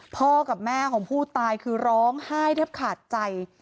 พ่อกับแม่ของผู้ตายคือร้องไห้แทบขาดใจ